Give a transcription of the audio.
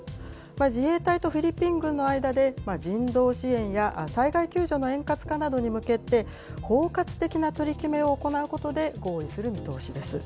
自衛隊とフィリピン軍の間で、人道支援や災害救助の円滑化などに向けて、包括的な取り決めを行うことで合意する見通しです。